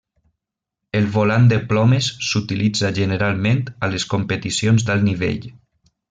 El volant de plomes s'utilitza generalment a les competicions d'alt nivell.